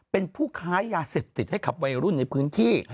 เป็นผู้ค้ายาเสพติดให้กับวัยรุ่นในพื้นที่